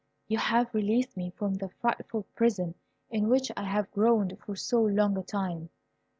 "You have released me from the frightful prison in which I have groaned for so long a time.